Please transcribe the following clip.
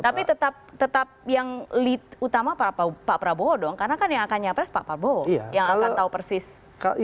tapi tetap yang lead utama pak prabowo dong karena kan yang akan nyapres pak prabowo yang akan tahu persis